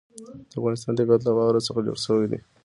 د افغانستان طبیعت له واوره څخه جوړ شوی دی.